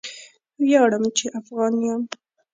ویاړم چې افغان یم.